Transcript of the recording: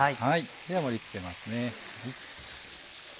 では盛り付けますね。